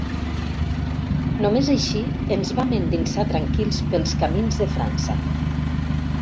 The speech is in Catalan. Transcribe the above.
Només així ens vam endinsar tranquils pels camins de França.